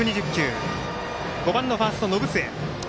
５番、ファースト、延末。